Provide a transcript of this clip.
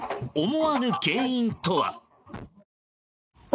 思わぬ原因とは。